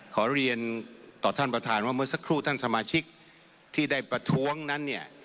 ขอเรียนต่อท่านประธานว่าเมื่อสักครู่ท่านสมาชิกที่ได้ประท้วงนั้นเนี่ย